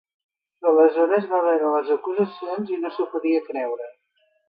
Però aleshores va veure les acusacions i no s’ho podia creure.